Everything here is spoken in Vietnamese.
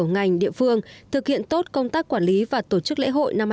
ngành địa phương thực hiện tốt công tác quản lý và tổ chức lễ hội năm hai nghìn hai mươi bốn